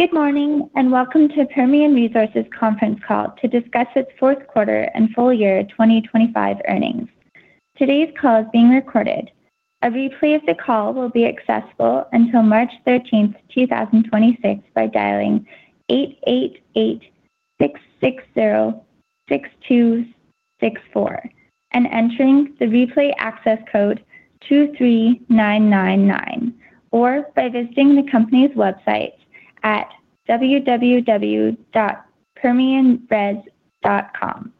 Good morning, welcome to Permian Resources conference call to discuss its fourth quarter and full year 2025 earnings. Today's call is being recorded. A replay of the call will be accessible until March 13th, 2026, by dialing 888-660-6264 and entering the replay access code 23999, or by visiting the company's website at www.permianres.com.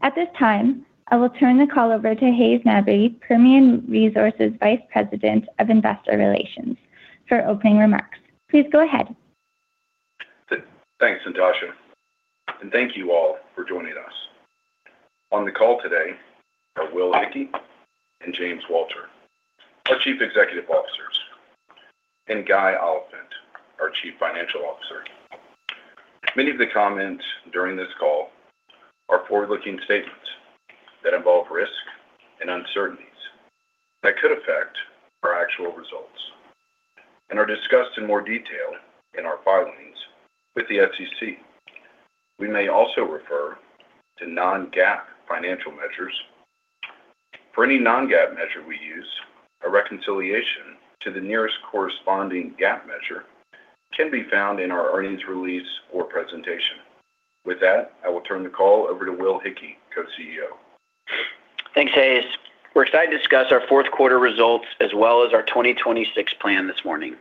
At this time, I will turn the call over to Hays Mabry, Permian Resources Vice President of Investor Relations, for opening remarks. Please go ahead. Thanks, Gina, and thank you all for joining us. On the call today are Will Hickey and James Walter, our Chief Executive Officers, and Guy Oliphint, our Chief Financial Officer. Many of the comments during this call are forward-looking statements that involve risk and uncertainties that could affect our actual results and are discussed in more detail in our filings with the SEC. We may also refer to non-GAAP financial measures. For any non-GAAP measure we use, a reconciliation to the nearest corresponding GAAP measure can be found in our earnings release or presentation. With that, I will turn the call over to Will Hickey, Co-CEO. Thanks, Hays. We're excited to discuss our fourth quarter results as well as our 2026 plan this morning.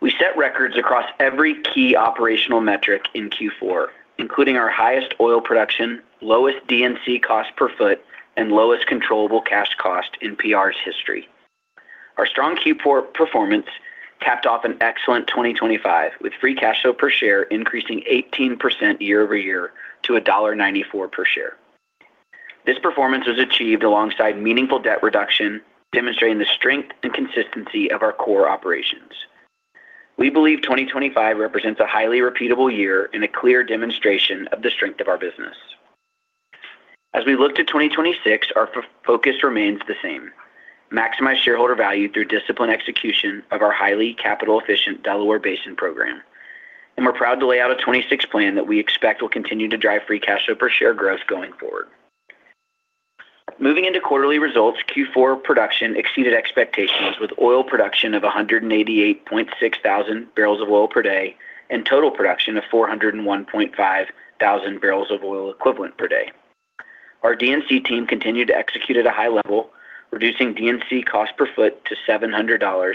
We set records across every key operational metric in Q4, including our highest oil production, lowest D&C cost per foot, and lowest controllable cash cost in PR's history. Our strong Q4 performance capped off an excellent 2025, with free cash flow per share increasing 18% year-over-year to $1.94 per share. This performance was achieved alongside meaningful debt reduction, demonstrating the strength and consistency of our core operations. We believe 2025 represents a highly repeatable year and a clear demonstration of the strength of our business. As we look to 2026, our focus remains the same: maximize shareholder value through disciplined execution of our highly capital-efficient Delaware Basin program. We're proud to lay out a 2026 plan that we expect will continue to drive free cash flow per share growth going forward. Moving into quarterly results, Q4 production exceeded expectations, with oil production of 188.6 thousand barrels of oil per day and total production of 401.5 thousand barrels of oil equivalent per day. Our D&C team continued to execute at a high level, reducing D&C cost per foot to $700,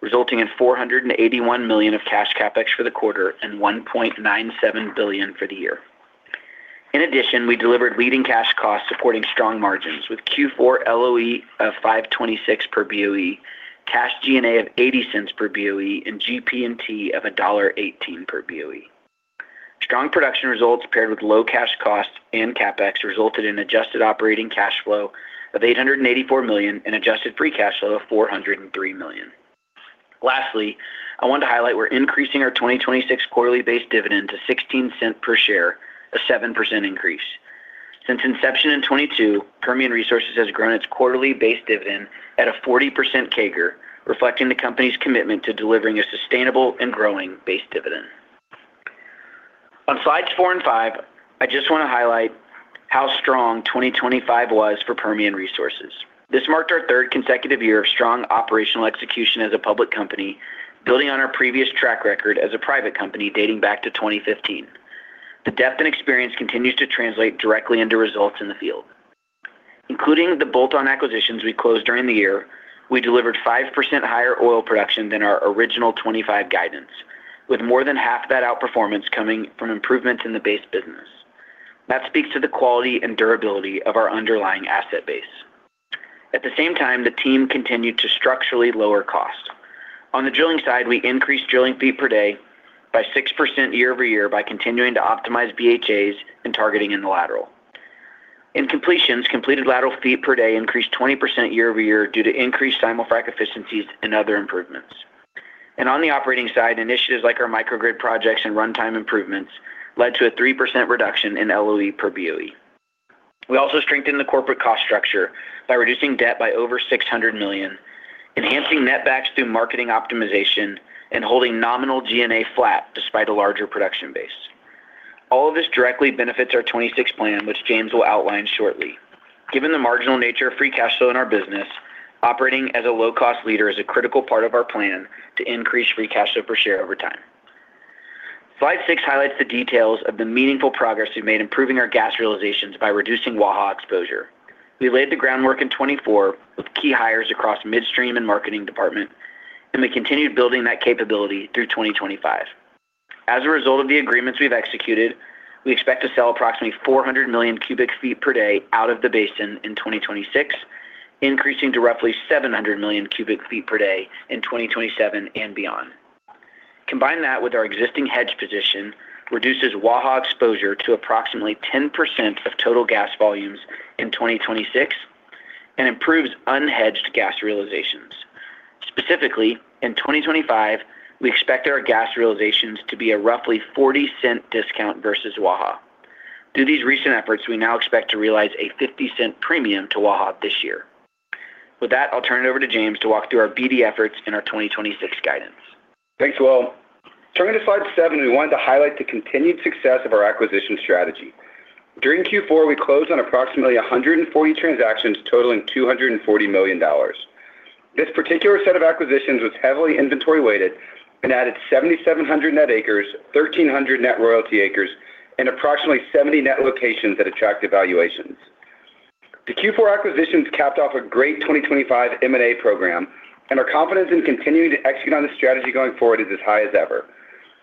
resulting in $481 million of cash CapEx for the quarter and $1.97 billion for the year. In addition, we delivered leading cash costs, supporting strong margins with Q4 LOE of $5.26 per BOE, cash G&A of $0.80 per BOE, and GP&T of $1.18 per BOE. Strong production results, paired with low cash costs and CapEx, resulted in adjusted operating cash flow of $884 million and adjusted free cash flow of $403 million. Lastly, I want to highlight we're increasing our 2026 quarterly base dividend to $0.16 per share, a 7% increase. Since inception in 2022, Permian Resources has grown its quarterly base dividend at a 40% CAGR, reflecting the company's commitment to delivering a sustainable and growing base dividend. On slides four and five, I just want to highlight how strong 2025 was for Permian Resources. This marked our third consecutive year of strong operational execution as a public company, building on our previous track record as a private company dating back to 2015. The depth and experience continues to translate directly into results in the field. Including the bolt-on acquisitions we closed during the year, we delivered 5% higher oil production than our original 2025 guidance, with more than half that outperformance coming from improvements in the base business. That speaks to the quality and durability of our underlying asset base. At the same time, the team continued to structurally lower costs. On the drilling side, we increased drilling feet per day by 6% year-over-year by continuing to optimize BHAs and targeting in the lateral. In completions, completed lateral feet per day increased 20% year-over-year due to increased simulfrac efficiencies and other improvements. On the operating side, initiatives like our microgrid projects and runtime improvements led to a 3% reduction in LOE per BOE. We also strengthened the corporate cost structure by reducing debt by over $600 million, enhancing netbacks through marketing optimization, and holding nominal G&A flat despite a larger production base. All of this directly benefits our 2026 plan, which James will outline shortly. Given the marginal nature of free cash flow in our business, operating as a low-cost leader is a critical part of our plan to increase free cash flow per share over time. Slide 6 highlights the details of the meaningful progress we've made improving our gas realizations by reducing Waha exposure. We laid the groundwork in 2024, with key hires across midstream and marketing department. We continued building that capability through 2025. As a result of the agreements we've executed, we expect to sell approximately 400 million cubic feet per day out of the basin in 2026, increasing to roughly 700 million cubic feet per day in 2027 and beyond. Combine that with our existing hedge position, reduces Waha exposure to approximately 10% of total gas volumes in 2026 and improves unhedged gas realizations. Specifically, in 2025, we expect our gas realizations to be a roughly $0.40 discount versus Waha. Through these recent efforts, we now expect to realize a $0.50 premium to Waha this year. With that, I'll turn it over to James to walk through our BD efforts and our 2026 guidance. Thanks, Will. Turning to slide 7, we wanted to highlight the continued success of our acquisition strategy. During Q4, we closed on approximately 140 transactions totaling $240 million. This particular set of acquisitions was heavily inventory weighted and added 7,700 net acres, 1,300 net royalty acres, and approximately 70 net locations that attract evaluations. The Q4 acquisitions capped off a great 2025 M&A program. Our confidence in continuing to execute on this strategy going forward is as high as ever.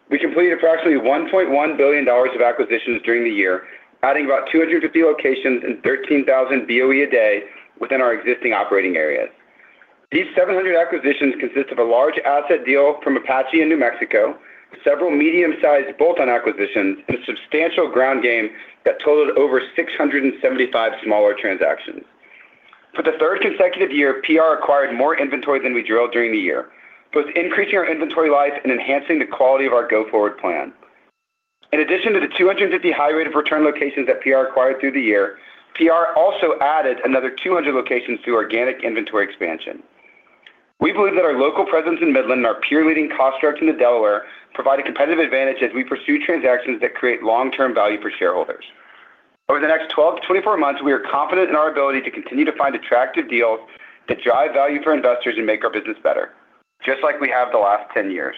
We completed approximately $1.1 billion of acquisitions during the year, adding about 250 locations and 13,000 BOE a day within our existing operating areas. These 700 acquisitions consist of a large asset deal from Apache in New Mexico, several medium-sized bolt-on acquisitions, and a substantial ground game that totaled over 675 smaller transactions. For the 3rd consecutive year, PR acquired more inventory than we drilled during the year, both increasing our inventory life and enhancing the quality of our go-forward plan. In addition to the 250 high rate of return locations that PR acquired through the year, PR also added another 200 locations through organic inventory expansion. We believe that our local presence in Midland and our peer-leading cost structure in the Delaware provide a competitive advantage as we pursue transactions that create long-term value for shareholders. Over the next 12-24 months, we are confident in our ability to continue to find attractive deals that drive value for investors and make our business better, just like we have the last 10 years.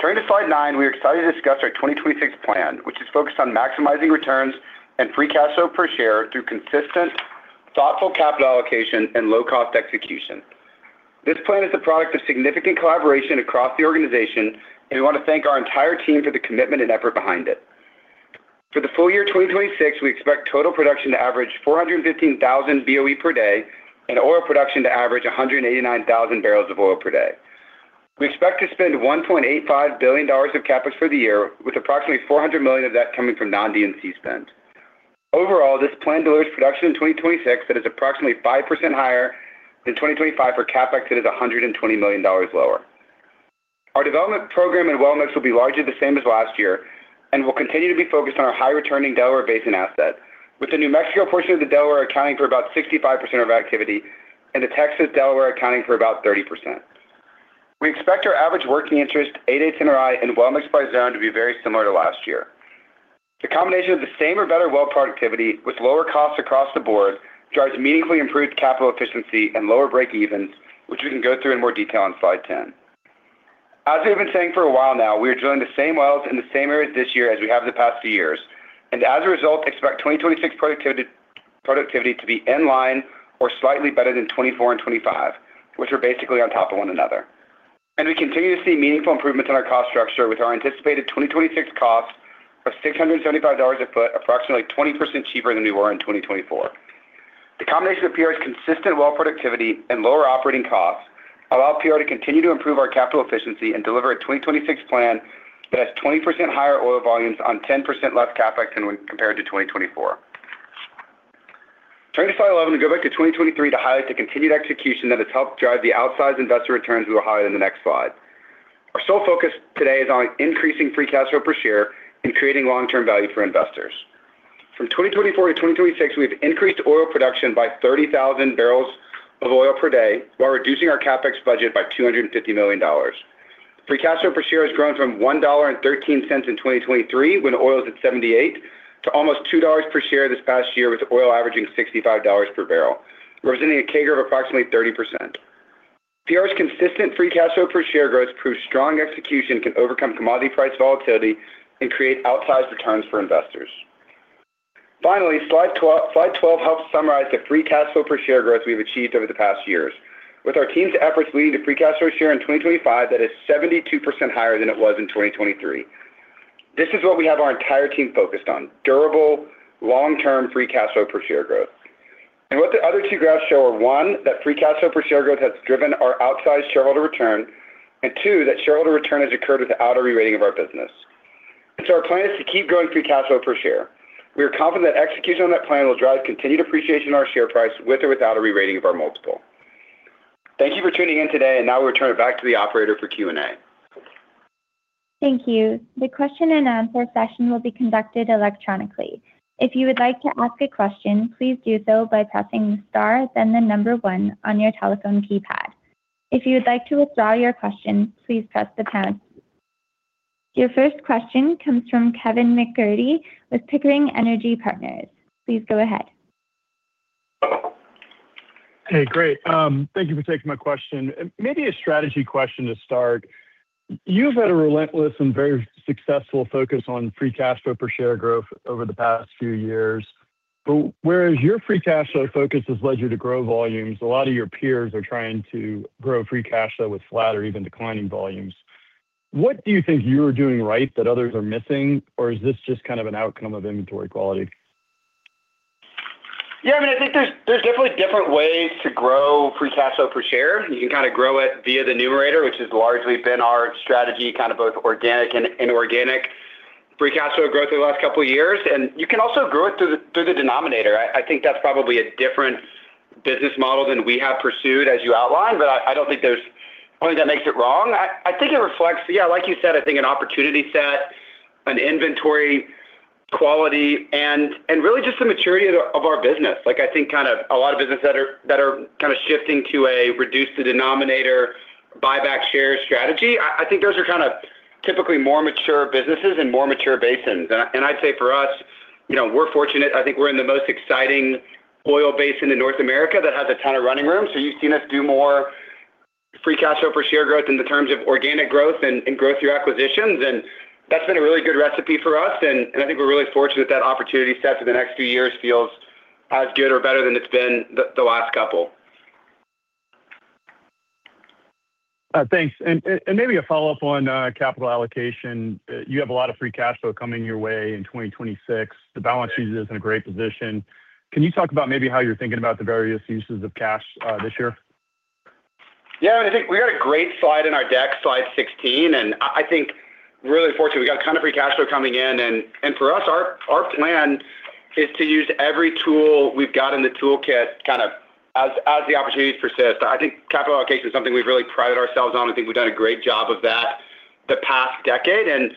Turning to slide nine, we are excited to discuss our 2026 plan, which is focused on maximizing returns and free cash flow per share through consistent, thoughtful capital allocation and low-cost execution. This plan is a product of significant collaboration across the organization, and we want to thank our entire team for the commitment and effort behind it. For the full year 2026, we expect total production to average 415,000 BOE per day and oil production to average 189,000 barrels of oil per day. We expect to spend $1.85 billion of CapEx for the year, with approximately $400 million of that coming from non-D&C spend. Overall, this plan delivers production in 2026 that is approximately 5% higher than 2025 for CapEx, that is $120 million lower. Our development program in well mix will be largely the same as last year and will continue to be focused on our high-returning Delaware Basin assets, with the New Mexico portion of the Delaware accounting for about 65% of activity and the Texas Delaware accounting for about 30%. We expect our average working interest, 8/8 NRI, and well mix by zone to be very similar to last year. The combination of the same or better well productivity with lower costs across the board drives meaningfully improved capital efficiency and lower breakevens, which we can go through in more detail on slide 10. As we have been saying for a while now, we are drilling the same wells in the same areas this year as we have the past few years, as a result, expect 2026 productivity to be in line or slightly better than 2024 and 2025, which are basically on top of one another. We continue to see meaningful improvements in our cost structure, with our anticipated 2026 costs of $675 a foot, approximately 20% cheaper than we were in 2024. The combination of PR's consistent well productivity and lower operating costs allow PR to continue to improve our capital efficiency and deliver a 2026 plan that has 20% higher oil volumes on 10% less CapEx than when compared to 2024. Turning to slide 11, to go back to 2023, to highlight the continued execution that has helped drive the outsized investor returns we will highlight in the next slide. Our sole focus today is on increasing free cash flow per share and creating long-term value for investors. From 2024 to 2026, we've increased oil production by 30,000 barrels of oil per day while reducing our CapEx budget by $250 million. Free cash flow per share has grown from $1.13 in 2023, when oil was at $78, to almost $2 per share this past year, with oil averaging $65 per barrel, resulting in a CAGR of approximately 30%. PR's consistent free cash flow per share growth proves strong execution can overcome commodity price volatility and create outsized returns for investors. Finally, slide 12 helps summarize the free cash flow per share growth we've achieved over the past years, with our team's efforts leading to free cash flow share in 2025, that is 72% higher than it was in 2023. This is what we have our entire team focused on, durable, long-term free cash flow per share growth. What the other two graphs show are, one, that free cash flow per share growth has driven our outsized shareholder return, and two, that shareholder return has occurred without a re-rating of our business. Our plan is to keep growing free cash flow per share. We are confident that execution on that plan will drive continued appreciation in our share price, with or without a re-rating of our multiple. Thank you for tuning in today. Now we'll turn it back to the operator for Q&A. Thank you. The question and answer session will be conducted electronically. If you would like to ask a question, please do so by pressing star, then the number one on your telephone keypad. If you would like to withdraw your question, please press the pound. Your first question comes from Kevin MacCurdy with Pickering Energy Partners. Please go ahead. Hey, great. Thank you for taking my question. Maybe a strategy question to start. You've had a relentless and very successful focus on free cash flow per share growth over the past few years. Whereas your free cash flow focus has led you to grow volumes, a lot of your peers are trying to grow free cash flow with flat or even declining volumes. What do you think you are doing right that others are missing, or is this just kind of an outcome of inventory quality? Yeah, I mean, I think there's definitely different ways to grow free cash flow per share. You can kind of grow it via the numerator, which has largely been our strategy, kind of both organic and inorganic free cash flow growth over the last couple of years. You can also grow it through the denominator. I think that's probably a different business model than we have pursued, as you outlined. I don't think there's anything that makes it wrong. I think it reflects, yeah, like you said, I think an opportunity set, an inventory quality and really just the maturity of our business. Like, I think kind of a lot of businesses that are kind of shifting to a reduce the denominator, buy back shares strategy, I think those are kind of typically more mature businesses and more mature basins. I'd say for us, you know, we're fortunate. I think we're in the most exciting oil basin in North America that has a ton of running room. You've seen us do more free cash flow per share growth in the terms of organic growth and growth through acquisitions, and that's been a really good recipe for us. I think we're really fortunate that opportunity set for the next few years feels as good or better than it's been the last couple. Thanks. Maybe a follow-up on capital allocation. You have a lot of free cash flow coming your way in 2026. The balance sheet is in a great position. Can you talk about maybe how you're thinking about the various uses of cash this year? Yeah, I think we have a great slide in our deck, slide 16, and I think we're really fortunate. We got a ton of free cash flow coming in, and for us, our plan is to use every tool we've got in the toolkit kind of as the opportunities persist. I think capital allocation is something we've really prided ourselves on. I think we've done a great job of that the past decade.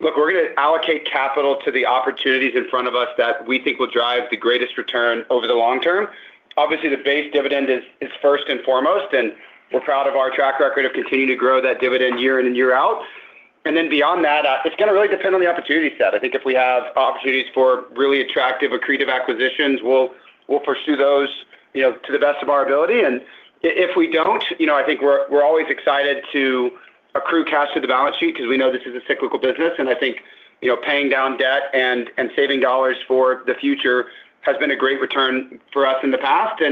Look, we're gonna allocate capital to the opportunities in front of us that we think will drive the greatest return over the long term. Obviously, the base dividend is first and foremost, and we're proud of our track record of continuing to grow that dividend year in and year out. Then beyond that, it's gonna really depend on the opportunity set. I think if we have opportunities for really attractive, accretive acquisitions, we'll pursue those, you know, to the best of our ability. If we don't, you know, I think we're always excited to accrue cash to the balance sheet because we know this is a cyclical business, and I think, you know, paying down debt and saving dollars for the future has been a great return for us in the past.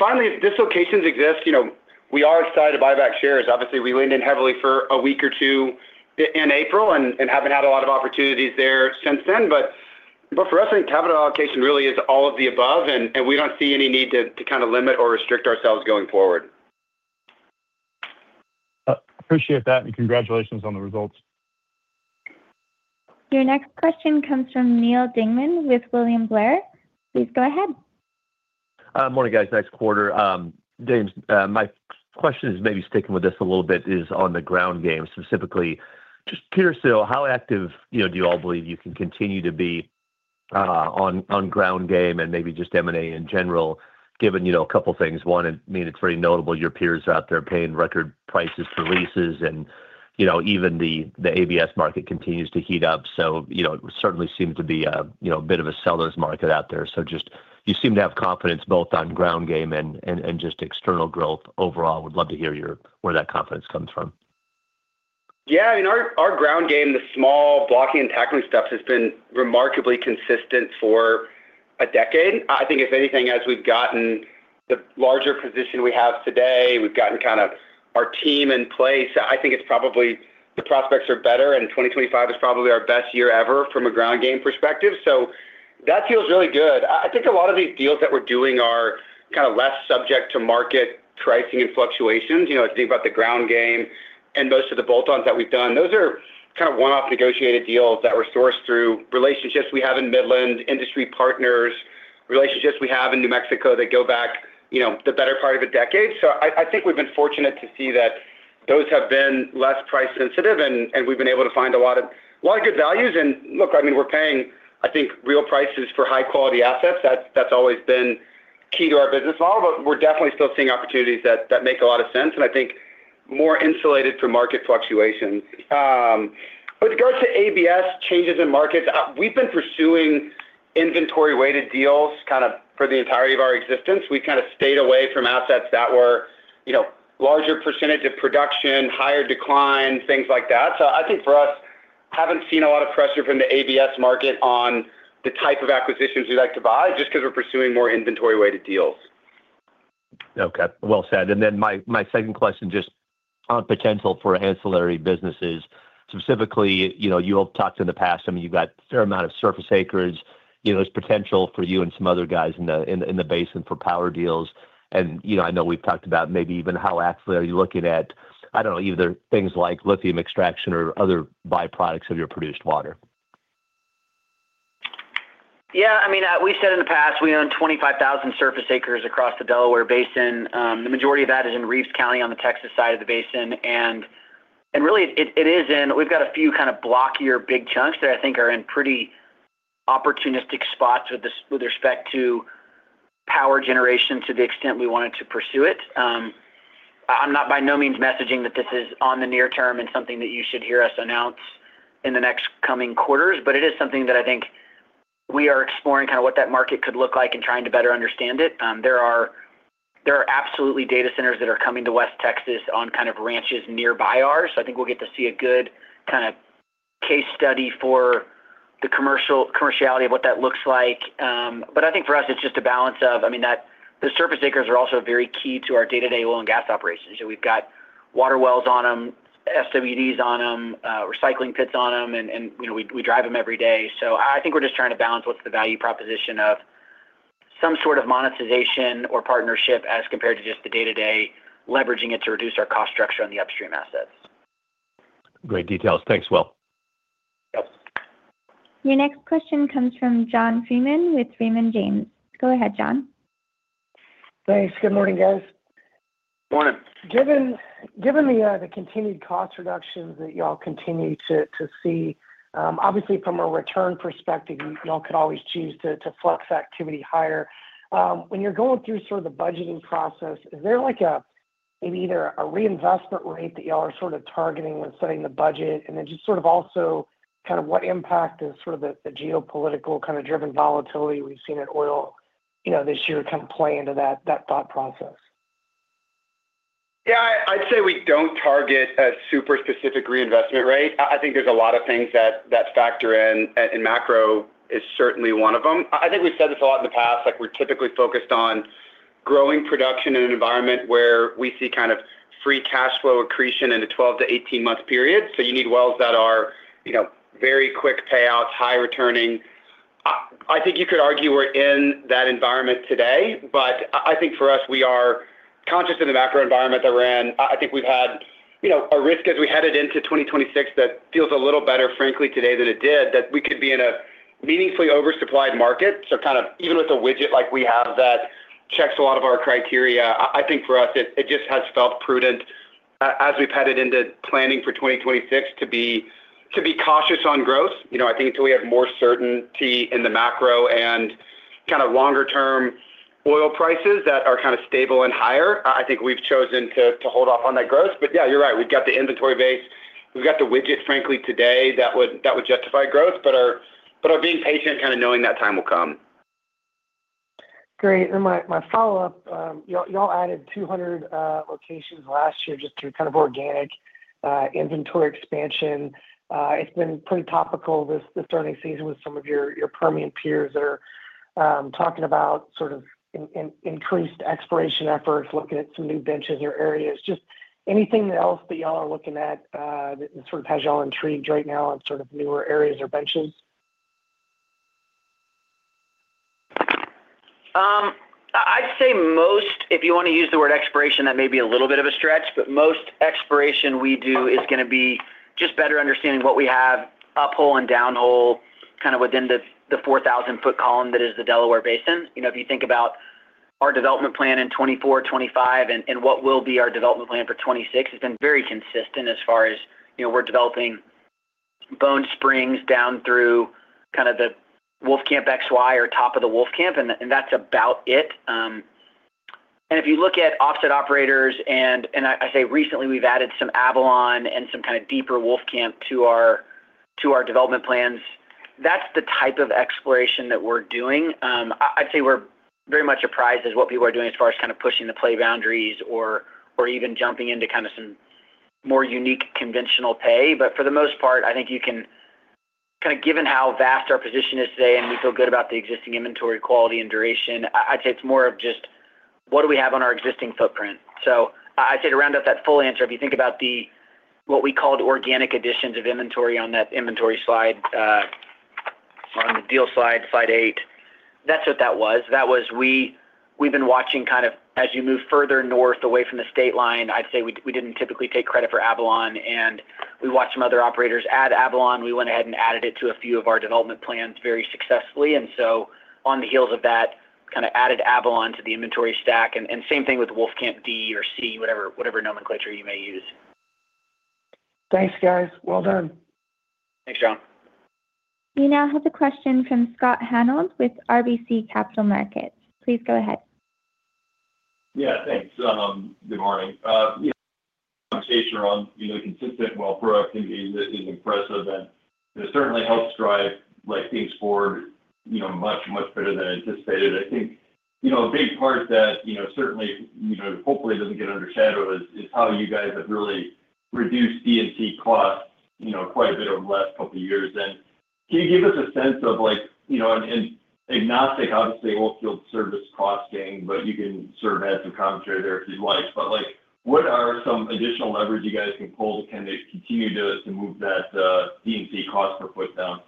Finally, if dislocations exist, you know, we are excited to buy back shares. Obviously, we leaned in heavily for a week or two in April and haven't had a lot of opportunities there since then. For us, I think capital allocation really is all of the above, and we don't see any need to kind of limit or restrict ourselves going forward. Appreciate that, and congratulations on the results. Your next question comes from Neal Dingmann with William Blair. Please go ahead. Morning, guys. Nice quarter. James, my question is maybe sticking with this a little bit, is on the ground game, specifically, just pure sale. How active, you know, do you all believe you can continue to be on ground game and maybe just M&A in general, given, you know, a couple of things? One, I mean, it's pretty notable your peers are out there paying record prices for leases, and, you know, even the ABS market continues to heat up. You know, it certainly seems to be a, you know, a bit of a seller's market out there. Just you seem to have confidence both on ground game and just external growth overall. Would love to hear your where that confidence comes from. I mean, our ground game, the small blocking and tackling stuff, has been remarkably consistent for a decade. I think if anything, as we've gotten the larger position we have today, we've gotten kind of our team in place. I think it's probably the prospects are better, 2025 is probably our best year ever from a ground game perspective. That feels really good. I think a lot of these deals that we're doing are kind of less subject to market pricing and fluctuations. I think about the ground game and most of the bolt-ons that we've done, those are kind of one-off negotiated deals that were sourced through relationships we have in Midland, industry partners, relationships we have in New Mexico that go back, you know, the better part of a decade. I think we've been fortunate to see that those have been less price sensitive, and we've been able to find a lot of good values. Look, I mean, we're paying, I think, real prices for high-quality assets. That's, that's always been key to our business model, but we're definitely still seeing opportunities that make a lot of sense, and I think more insulated from market fluctuations. With regards to ABS changes in markets, we've been pursuing inventory-weighted deals kind of for the entirety of our existence. We've kind of stayed away from assets that were, you know, larger percentage of production, higher decline, things like that. I think for us, haven't seen a lot of pressure from the ABS market on the type of acquisitions we like to buy, just because we're pursuing more inventory-weighted deals. Okay, well said. My second question, just on potential for ancillary businesses, specifically, you know, you all talked in the past, I mean, you've got a fair amount of surface acreage. You know, there's potential for you and some other guys in the basin for power deals. You know, I know we've talked about maybe even how actively are you looking at, I don't know, either things like lithium extraction or other byproducts of your produced water? I mean, we've said in the past, we own 25,000 surface acres across the Delaware Basin. The majority of that is in Reeves County, on the Texas side of the basin. Really, it is in. We've got a few kind of blockier, big chunks that I think are in pretty opportunistic spots with respect to power generation, to the extent we wanted to pursue it. I'm not by no means messaging that this is on the near term and something that you should hear us announce in the next coming quarters, but it is something that I think we are exploring, kind of what that market could look like and trying to better understand it. There are absolutely data centers that are coming to West Texas on kind of ranches nearby ours. I think we'll get to see a good kind of case study for the commerciality of what that looks like. I think for us, it's just a balance of, I mean, that the surface acres are also very key to our day-to-day oil and gas operations. We've got water wells on them, SWDs on them, recycling pits on them, and, you know, we drive them every day. I think we're just trying to balance what's the value proposition of some sort of monetization or partnership, as compared to just the day-to-day, leveraging it to reduce our cost structure on the upstream assets. Great details. Thanks, Will. Yep. Your next question comes from John Freeman with Raymond James. Go ahead, John. Thanks. Good morning, guys. Morning. Given the continued cost reductions that y'all continue to see, obviously from a return perspective, y'all could always choose to flex activity higher. When you're going through sort of the budgeting process, is there like a, maybe either a reinvestment rate that y'all are sort of targeting when setting the budget? Just sort of also kind of what impact is sort of the geopolitical kind of driven volatility we've seen in oil, you know, this year kind of play into that thought process? Yeah, I'd say we don't target a super specific reinvestment rate. I think there's a lot of things that factor in, and macro is certainly one of them. I think we've said this a lot in the past, like, we're typically focused on growing production in an environment where we see kind of free cash flow accretion in a 12 to 18-month period. You need wells that are, you know, very quick payouts, high returning. I think you could argue we're in that environment today, but I think for us, we are conscious of the macro environment that we're in. I think we've had, you know, a risk as we headed into 2026 that feels a little better, frankly, today than it did, that we could be in a meaningfully oversupplied market. Kind of even with a widget like we have that checks a lot of our criteria, I think for us, it just has felt prudent as we've headed into planning for 2026 to be cautious on growth. You know, I think until we have more certainty in the macro and kind of longer-term oil prices that are kind of stable and higher, I think we've chosen to hold off on that growth. Yeah, you're right. We've got the inventory base, we've got the widgets, frankly, today, that would justify growth, but are being patient, kind of knowing that time will come. Great. My, my follow-up, y'all added 200 locations last year just through kind of organic inventory expansion. It's been pretty topical this earning season with some of your Permian peers that are talking about sort of increased exploration efforts, looking at some new benches or areas. Just anything else that y'all are looking at that sort of has y'all intrigued right now on sort of newer areas or benches? I'd say most, if you want to use the word exploration, that may be a little bit of a stretch, but most exploration we do is gonna be just better understanding what we have up hole and down hole, kind of within the 4,000 foot column that is the Delaware Basin. You know, if you think about our development plan in 2024, 2025, and what will be our development plan for 2026, has been very consistent as far as, you know, we're developing Bone Spring down through kind of the Wolfcamp XY or top of the Wolfcamp, and that's about it. If you look at offset operators and I say recently, we've added some Avalon and some kind of deeper Wolfcamp to our development plans. That's the type of exploration that we're doing. I'd say we're very much surprised as what people are doing as far as kind of pushing the play boundaries or even jumping into kind of some more unique conventional pay. For the most part, I think kind of given how vast our position is today, and we feel good about the existing inventory quality and duration, I'd say it's more of just what do we have on our existing footprint? I'd say to round out that full answer, if you think about the, what we called organic additions of inventory on that inventory slide, on the deal slide 8, that's what that was. That was we've been watching kind of as you move further north away from the state line, I'd say we didn't typically take credit for Avalon, and we watched some other operators add Avalon. We went ahead and added it to a few of our development plans very successfully. On the heels of that, kind of added Avalon to the inventory stack, and same thing with Wolfcamp D or C, whatever nomenclature you may use. Thanks, guys. Well done. Thanks, John. We now have a question from Scott Hanold with RBC Capital Markets. Please go ahead. Yeah, thanks. Good morning. Yeah, conversation around, you know, consistent well growth is impressive, and it certainly helps drive, like, things forward, you know, much, much better than anticipated. I think, you know, a big part that, you know, certainly, you know, hopefully doesn't get overshadowed is how you guys have really reduced D&C costs, you know, quite a bit over the last couple of years. Can you give us a sense of like, you know, and agnostic, obviously, oil field service costing, but you can serve as some commentary there if you'd like. Like, what are some additional leverage you guys can pull? Can they continue to move that D&C cost per foot down?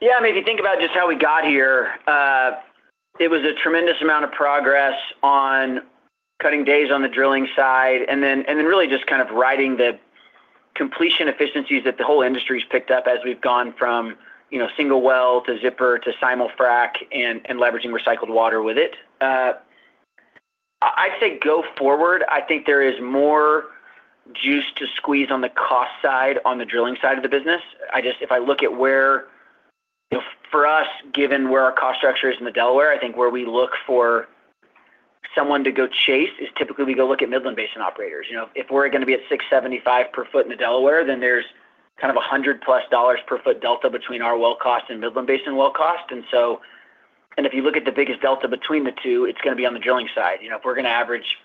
Yeah, I mean, if you think about just how we got here, it was a tremendous amount of progress on cutting days on the drilling side, and then really just kind of riding the completion efficiencies that the whole industry has picked up as we've gone from, you know, single well to zipper to simul frac and leveraging recycled water with it. I'd say go forward, I think there is more juice to squeeze on the cost side, on the drilling side of the business. I just, if I look at where, you know, for us, given where our cost structure is in the Delaware, I think where we look for someone to go chase is typically, we go look at Midland Basin operators. You know, if we're gonna be at $675 per foot in the Delaware, there's kind of a $100+ per foot delta between our well cost and Midland Basin well cost. If you look at the biggest delta between the two, it's gonna be on the drilling side. You know, if we're gonna average,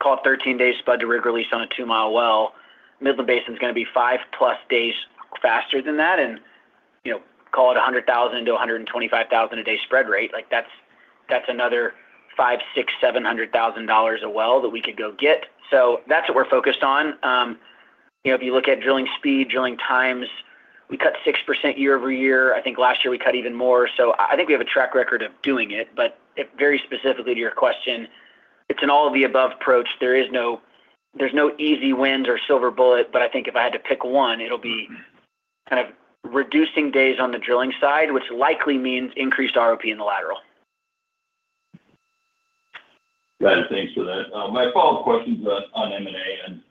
call it 13 days spud to rig release on a 2-mile well, Midland Basin is gonna be 5+ days faster than that. You know, call it $100,000-$125,000 a day spread rate, like, that's another $5, $6, $7 hundred thousand dollars a well that we could go get. That's what we're focused on. You know, if you look at drilling speed, drilling times, we cut 6% year-over-year. I think last year we cut even more. I think we have a track record of doing it. Very specifically to your question, it's an all-of-the-above approach. There's no easy wins or silver bullet, but I think if I had to pick one, it'll be kind of reducing days on the drilling side, which likely means increased ROP in the lateral. Got it. Thanks for that. My follow-up question is on M&A, and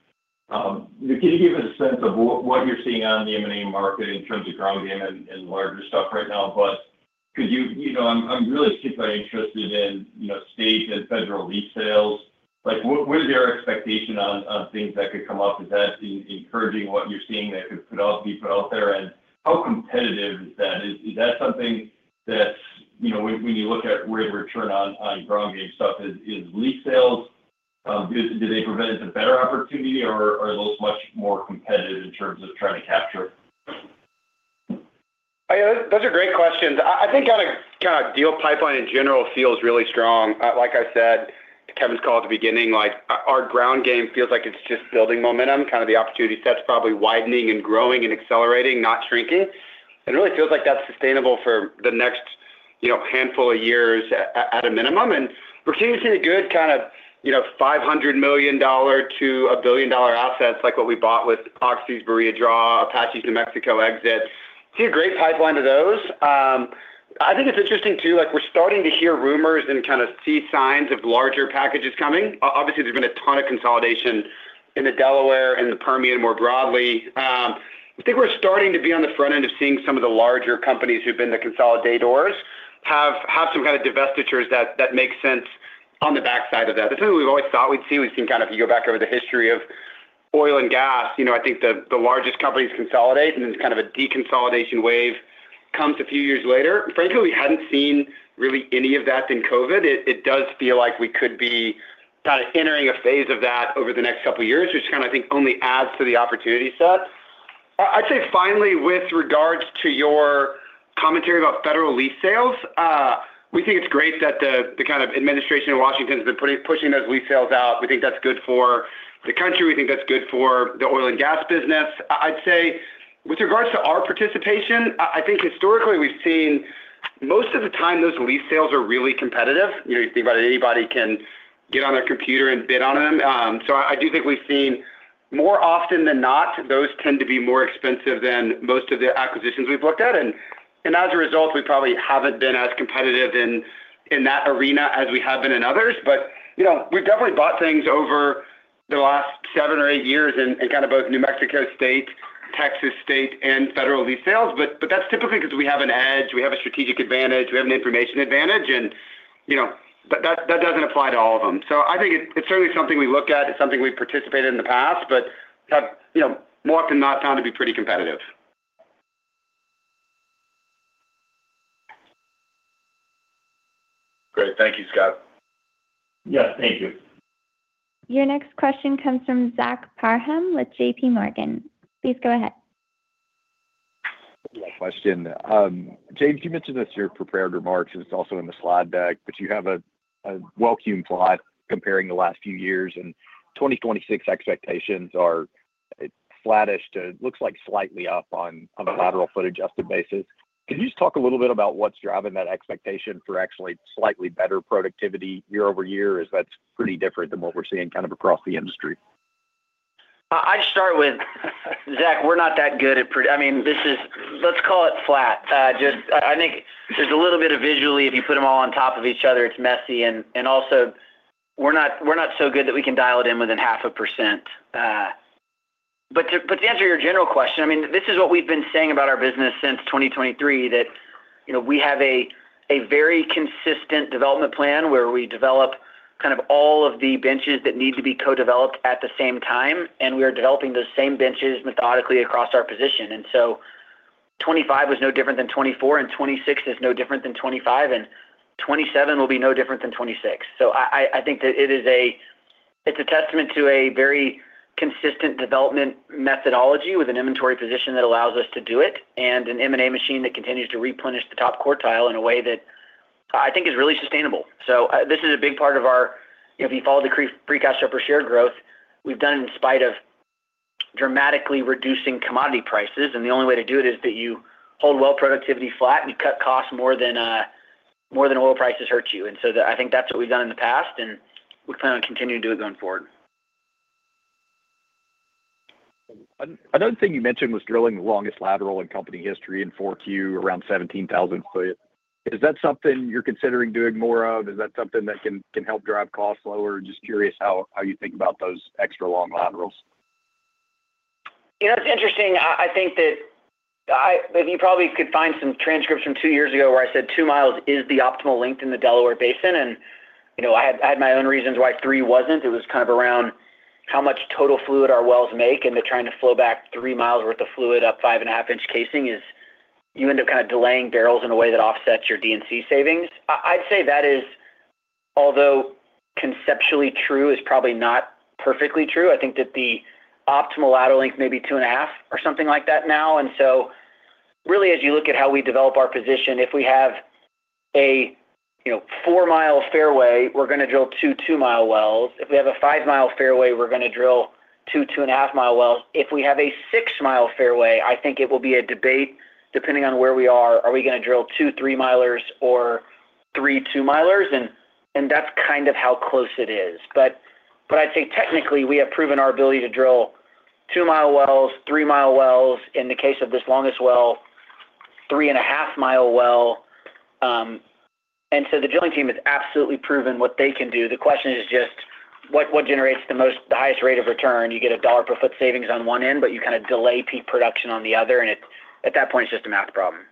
can you give us a sense of what you're seeing on the M&A market in terms of ground game and larger stuff right now? You know, I'm really particularly interested in, you know, state and federal lease sales. What is your expectation on things that could come up? Is that encouraging what you're seeing that could be put out there, and how competitive is that? Is that something that, you know, when you look at rate of return on ground game stuff, is lease sales do they present a better opportunity, or are those much more competitive in terms of trying to capture? Those are great questions. I think on a deal pipeline in general feels really strong. Like I said, Kevin's call at the beginning, our ground game feels like it's just building momentum, the opportunity set's probably widening and growing and accelerating, not shrinking. It really feels like that's sustainable for the next handful of years at a minimum, and we're continuing to see a good $500 million-$1 billion assets, like what we bought with Oxy's Barilla Draw, Apache's New Mexico exit. See a great pipeline of those. I think it's interesting, too, we're starting to hear rumors and see signs of larger packages coming. Obviously, there's been a ton of consolidation in the Delaware and the Permian, more broadly. I think we're starting to be on the front end of seeing some of the larger companies who've been the consolidators, have some kind of divestitures that make sense on the backside of that. This is what we've always thought we'd see. We've seen kind of, if you go back over the history of oil and gas, you know, I think the largest companies consolidate, then kind of a deconsolidation wave comes a few years later. Frankly, we hadn't seen really any of that in COVID. It does feel like we could be kind of entering a phase of that over the next couple of years, which I think, only adds to the opportunity set. I'd say finally, with regards to your commentary about federal lease sales, we think it's great that the kind of administration in Washington has been pushing those lease sales out. We think that's good for the country, we think that's good for the oil and gas business. I'd say with regards to our participation, I think historically, we've seen most of the time those lease sales are really competitive. You know, anybody can get on their computer and bid on them. So I do think we've seen more often than not, those tend to be more expensive than most of the acquisitions we've looked at, and as a result, we probably haven't been as competitive in that arena as we have been in others. You know, we've definitely bought things over the last 7 or 8 years in kind of both New Mexico State, Texas State, and federal lease sales, but that's typically because we have an edge, we have a strategic advantage, we have an information advantage, and, you know. That doesn't apply to all of them. I think it's certainly something we look at. It's something we've participated in the past, but have, you know, more often than not found to be pretty competitive. Great. Thank you, Scott. Yeah, thank you. Your next question comes from Zach Parham with JP Morgan. Please go ahead. Yeah, question. James, you mentioned this in your prepared remarks, and it's also in the slide deck, but you have a well queue plot comparing the last few years, and 2026 expectations are flattish to looks like slightly up on a lateral foot adjusted basis. Can you just talk a little bit about what's driving that expectation for actually slightly better productivity year-over-year? As that's pretty different than what we're seeing kind of across the industry. I'd start with, Zach Parham, we're not that good at. I mean, let's call it flat. Just, I think there's a little bit of visually, if you put them all on top of each other, it's messy, and also, we're not so good that we can dial it in within 0.5%. To answer your general question, I mean, this is what we've been saying about our business since 2023, that, you know, we have a very consistent development plan where we develop kind of all of the benches that need to be co-developed at the same time, and we are developing those same benches methodically across our position. 25 was no different than 24, and 26 is no different than 25, and 27 will be no different than 26. I think that it's a testament to a very consistent development methodology with an inventory position that allows us to do it, and an M&A machine that continues to replenish the top quartile in a way that I think is really sustainable. This is a big part of our, you know, if you follow the free cash flow per share growth, we've done it in spite of dramatically reducing commodity prices, and the only way to do it is that you hold well productivity flat, and you cut costs more than oil prices hurt you. I think that's what we've done in the past, and we plan on continuing to do it going forward. Another thing you mentioned was drilling the longest lateral in company history in 4Q, around 17,000 foot. Is that something you're considering doing more of? Is that something that can help drive costs lower? Just curious how you think about those extra long laterals. You know, it's interesting. I think that you probably could find some transcripts from 2 years ago where I said 2 miles is the optimal length in the Delaware Basin, and, you know, I had my own reasons why 3 wasn't. It was kind of around how much total fluid our wells make, and then trying to flow back 3 miles worth of fluid up 5 and a half inch casing is you end up kind of delaying barrels in a way that offsets your D&C savings. I'd say that is, although conceptually true, is probably not perfectly true. I think that the optimal lateral length may be 2 and a half or something like that now. Really, as you look at how we develop our position, if we have a, you know, 4-mile fairway, we're gonna drill 2 2-mile wells. If we have a 5-mile fairway, we're gonna drill 2.5-mile wells. If we have a 6-mile fairway, I think it will be a debate depending on where we are. Are we gonna drill 2 3-milers or 3 2-milers, and that's kind of how close it is. I'd say technically, we have proven our ability to drill 2-mile wells, 3-mile wells, in the case of this longest well, 3.5-mile well. The drilling team has absolutely proven what they can do. The question is just what generates the highest rate of return? You get a $1 per foot savings on one end, but you kinda delay peak production on the other, and at that point, it's just a math problem.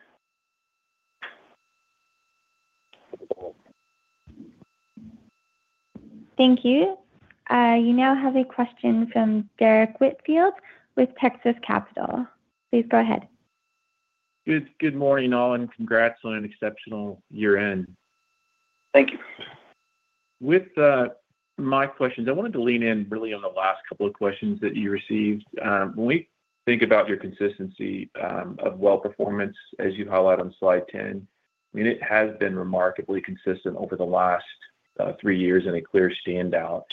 Thank you. You now have a question from Derrick Whitfield with Texas Capital. Please go ahead. Good morning, all. Congrats on an exceptional year-end. Thank you. With my questions, I wanted to lean in really on the last couple of questions that you received. When we think about your consistency, of well performance, as you highlight on slide 10, I mean, it has been remarkably consistent over the last 3 years in a clear standout.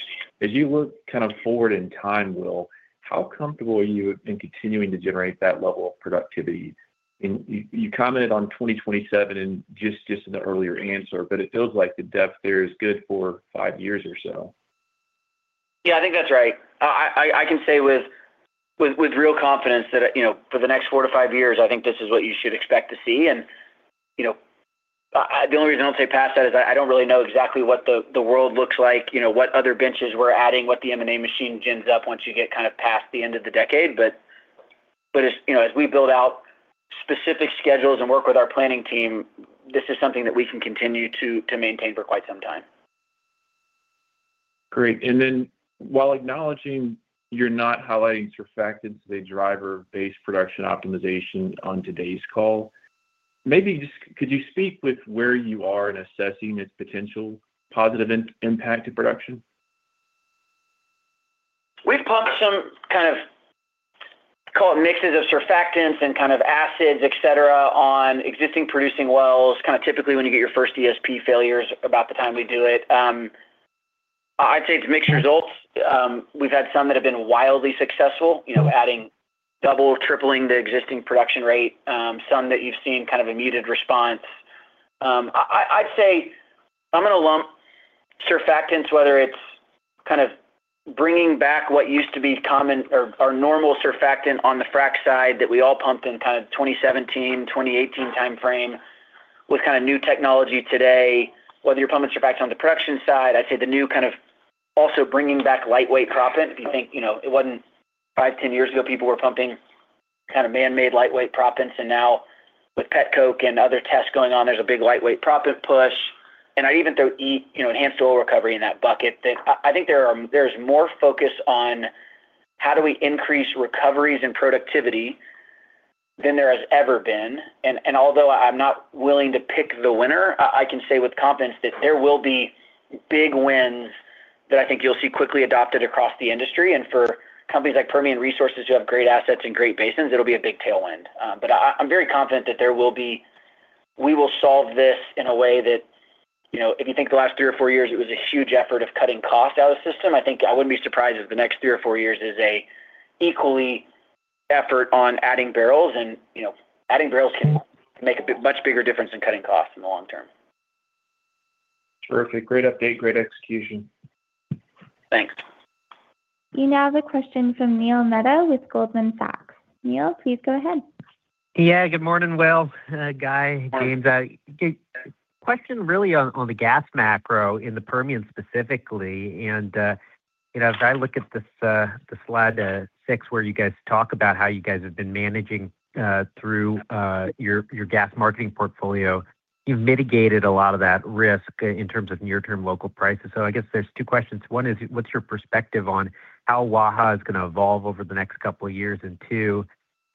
As you look kind of forward in time, Will, how comfortable are you in continuing to generate that level of productivity? You, you commented on 2027 and just in the earlier answer, but it feels like the depth there is good for 5 years or so. Yeah, I think that's right. I can say with real confidence that, you know, for the next four to five years, I think this is what you should expect to see. you know, the only reason I don't say past that is I don't really know exactly what the world looks like, you know, what other benches we're adding, what the M&A machine gins up once you get kinda past the end of the decade. as, you know, as we build out specific schedules and work with our planning team, this is something that we can continue to maintain for quite some time. Great. While acknowledging you're not highlighting surfactants, the driver-based production optimization on today's call, maybe just could you speak with where you are in assessing its potential positive impact to production? We've pumped some kind of, call it mixes of surfactants and kind of acids, et cetera, on existing producing wells, kinda typically, when you get your first ESP failures, about the time we do it. I'd say it's mixed results. We've had some that have been wildly successful, you know, adding double, tripling the existing production rate, some that you've seen kind of a muted response. I'd say I'm gonna lump surfactants, whether it's kind of bringing back what used to be common or normal surfactant on the frack side, that we all pumped in kinda 2017, 2018 time frame, with kinda new technology today, whether you're pumping surfactants on the production side. I'd say the new kind of also bringing back lightweight proppant. If you think, you know, it wasn't five, 10 years ago, people were pumping kinda man-made lightweight proppants, and now with petcoke and other tests going on, there's a big lightweight proppant push. I'd even throw, you know, enhanced oil recovery in that bucket. I think there's more focus on how do we increase recoveries and productivity than there has ever been. Although I'm not willing to pick the winner, I can say with confidence that there will be big wins that I think you'll see quickly adopted across the industry. For companies like Permian Resources, who have great assets and great basins, it'll be a big tailwind. I'm very confident that we will solve this in a way that, you know, if you think the last three or four years, it was a huge effort of cutting cost out of the system. I think I wouldn't be surprised if the next three or four years is a equally effort on adding barrels, you know, adding barrels can make a bit much bigger difference than cutting costs in the long term. Perfect. Great update, great execution. Thanks. You now have a question from Neil Mehta with Goldman Sachs. Neil, please go ahead. Yeah, good morning, Will Hickey, Guy Oliphint, James Walter. Question really on the gas macro in the Permian, specifically. you know, as I look at this, the slide 6, where you guys talk about how you guys have been managing through your gas marketing portfolio, you've mitigated a lot of that risk in terms of near-term local prices. I guess there's 2 questions. One is, what's your perspective on how Waha is gonna evolve over the next couple of years? 2,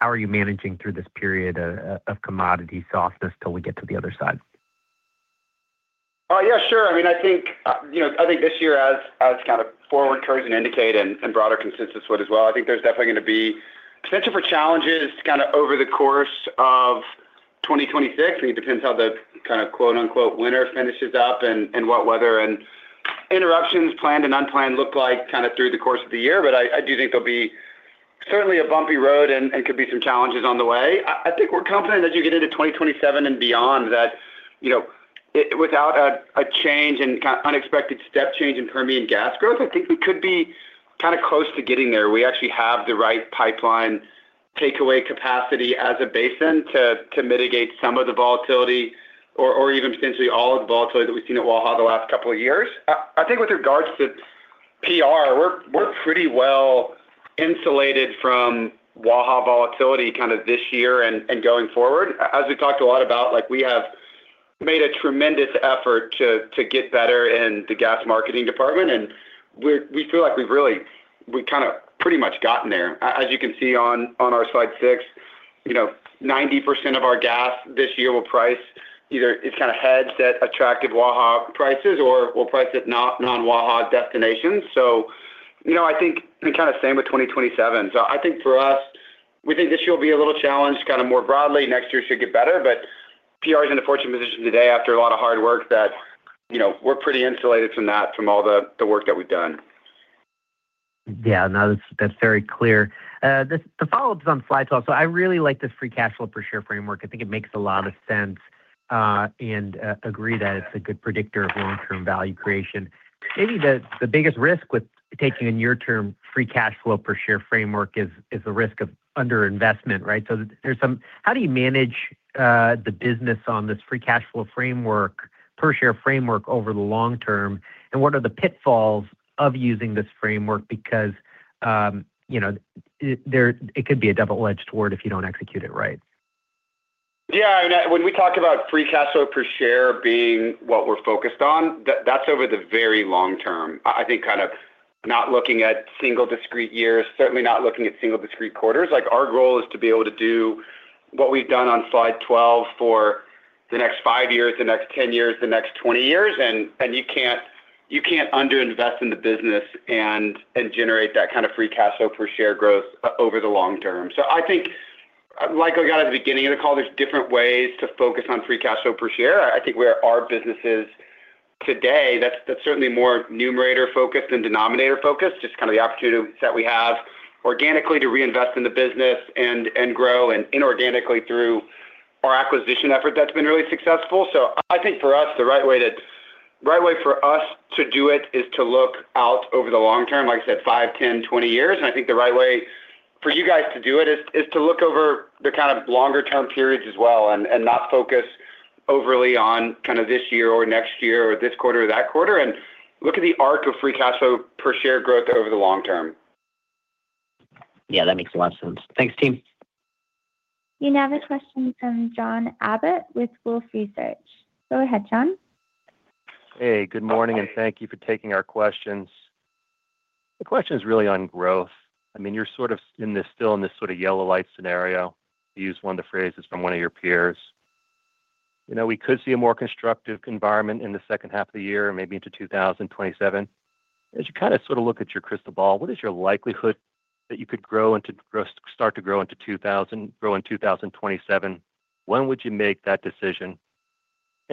how are you managing through this period of commodity softness till we get to the other side? Yeah, sure. I mean, I think, you know, I think this year, as kinda forward curves and indicate and broader consensus would as well, I think there's definitely gonna be potential for challenges kinda over the course of 2026. I think it depends how the kinda quote-unquote, "winter" finishes up and what weather and interruptions planned and unplanned look like kinda through the course of the year. I do think there'll be certainly a bumpy road and could be some challenges on the way. I think we're confident that as you get into 2027 and beyond, that, you know, without a change and kind of unexpected step change in Permian gas growth, I think we could be kinda close to getting there. We actually have the right pipeline takeaway capacity as a basin to mitigate some of the volatility or even potentially all of the volatility that we've seen at Waha the last couple of years. I think with regards to PR, we're pretty well insulated from Waha volatility kinda this year and going forward. As we talked a lot about, like, we have made a tremendous effort to get better in the gas marketing department, and we feel like we've really kinda pretty much gotten there. As you can see on our slide six, you know, 90% of our gas this year will price either it's kinda headset at attractive Waha prices or we'll price it non-Waha destinations. You know, I think, and kinda same with 2027. I think for us, we think this year will be a little challenged, kind of more broadly. Next year should get better. PR is in a fortunate position today after a lot of hard work that, you know, we're pretty insulated from that, from all the work that we've done.... Yeah, no, that's very clear. The, the follow-up is on slide 12. I really like this free cash flow per share framework. I think it makes a lot of sense, and agree that it's a good predictor of long-term value creation. Maybe the biggest risk with taking in your term, free cash flow per share framework is the risk of underinvestment, right? How do you manage the business on this free cash flow framework, per share framework over the long term? What are the pitfalls of using this framework? You know, it could be a double-edged sword if you don't execute it right. Yeah, when we talk about free cash flow per share being what we're focused on, that's over the very long term. I think kind of not looking at single discrete years, certainly not looking at single discrete quarters. Like, our goal is to be able to do what we've done on slide 12 for the next five years, the next 10 years, the next 20 years, and you can't underinvest in the business and generate that kind of free cash flow per share growth over the long term. I think, like we got at the beginning of the call, there's different ways to focus on free cash flow per share. I think where our business is today, that's certainly more numerator focused than denominator focused, just kind of the opportunities that we have organically to reinvest in the business and grow, and inorganically through our acquisition effort that's been really successful. I think for us, the right way for us to do it is to look out over the long term, like I said, five, 10, 20 years. I think the right way for you guys to do it is to look over the kind of longer-term periods as well and not focus overly on kind of this year or next year, or this quarter or that quarter, and look at the arc of free cash flow per share growth over the long term. Yeah, that makes a lot of sense. Thanks, team. We now have a question from John Abbott with Wolfe Research. Go ahead, John. Good morning, and thank you for taking our questions. The question is really on growth. I mean, you're sort of in this still in this sort of yellow light scenario. To use one of the phrases from one of your peers. You know, we could see a more constructive environment in the second half of the year, maybe into 2027. As you kind of sort of look at your crystal ball, what is your likelihood that you could grow in 2027? When would you make that decision?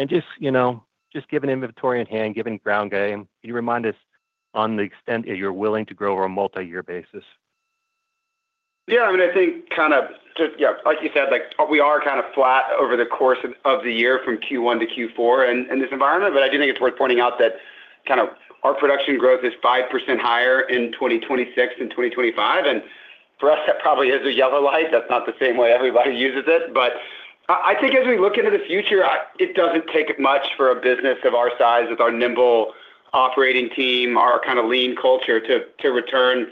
Just, you know, just given inventory in hand, given ground game, can you remind us on the extent that you're willing to grow over a multi-year basis? I mean, I think kind of just, like you said, like, we are kind of flat over the course of the year from Q1 to Q4 in this environment. I do think it's worth pointing out that kind of our production growth is 5% higher in 2026 than 2025, and for us, that probably is a yellow light. That's not the same way everybody uses it. I think as we look into the future, it doesn't take much for a business of our size, with our nimble operating team, our kind of lean culture, to return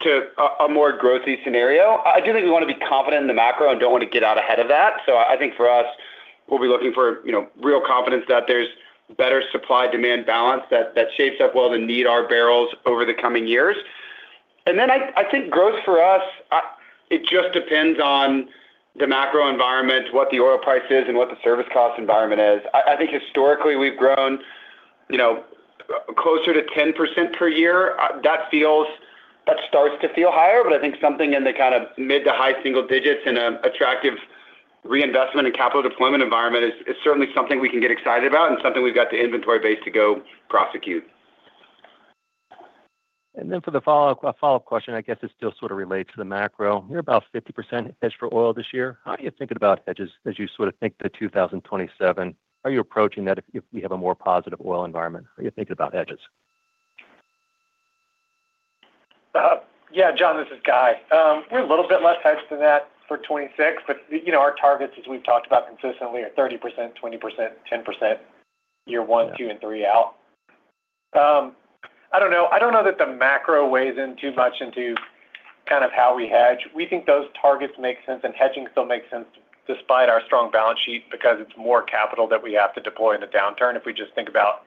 to a more growthy scenario. I do think we want to be confident in the macro and don't want to get out ahead of that. I think for us, we'll be looking for, you know, real confidence that there's better supply-demand balance, that shapes up well to meet our barrels over the coming years. I think growth for us, it just depends on the macro environment, what the oil price is, and what the service cost environment is. I think historically, we've grown, you know, closer to 10% per year. That starts to feel higher, but I think something in the kind of mid to high single digits in an attractive reinvestment and capital deployment environment is certainly something we can get excited about and something we've got the inventory base to go prosecute. For the follow-up question, I guess this still sort of relates to the macro. You're about 50% hedged for oil this year. How are you thinking about hedges as you sort of think to 2027? Are you approaching that if we have a more positive oil environment? How are you thinking about hedges? Yeah, John, this is Guy Oliphint. We're a little bit less hedged than that for 2026, but, you know, our targets, as we've talked about consistently, are 30%, 20%, 10%, year one, two, and three out. I don't know. I don't know that the macro weighs in too much into kind of how we hedge. We think those targets make sense, and hedging still makes sense despite our strong balance sheet, because it's more capital that we have to deploy in a downturn. If we just think about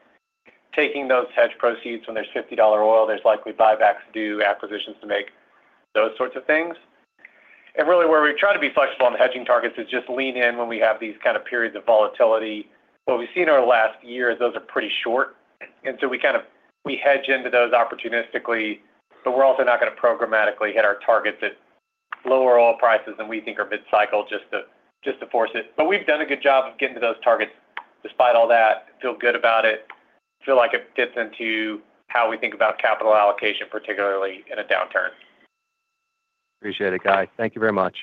taking those hedge proceeds when there's $50 oil, there's likely buybacks to do, acquisitions to make, those sorts of things. Really, where we try to be flexible on the hedging targets is just lean in when we have these kind of periods of volatility. What we've seen over the last year, those are pretty short, and so we kind of we hedge into those opportunistically, but we're also not going to programmatically hit our targets at lower oil prices than we think are mid-cycle, just to force it. We've done a good job of getting to those targets, despite all that. Feel good about it. Feel like it fits into how we think about capital allocation, particularly in a downturn. Appreciate it, Guy. Thank you very much.